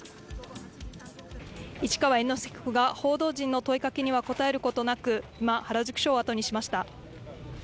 市川猿之助被告が報道陣の問いかけには答えることなく今原宿署をあとにしました。